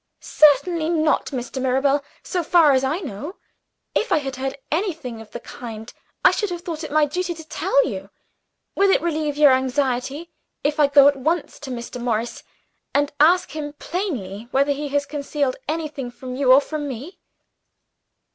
"Certainly not, Mr. Mirabel so far as I know. If I had heard anything of the kind, I should have thought it my duty to tell you. Will it relieve your anxiety, if I go at once to Mr. Morris, and ask him plainly whether he has concealed anything from you or from me?"